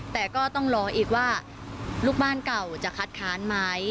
แต่ก็ต้องรออีกว่าลูกบ้านเก่าจะคัดค้านไหม